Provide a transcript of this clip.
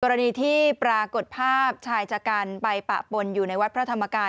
กรณีที่ปรากฏภาพชายชะกันไปปะปนอยู่ในวัดพระธรรมกาย